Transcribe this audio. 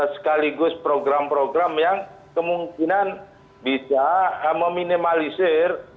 sekaligus program program yang kemungkinan bisa meminimalisir